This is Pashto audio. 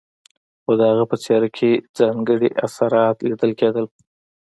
خو د هغه په څېره کې ځانګړي تاثرات ليدل کېدل.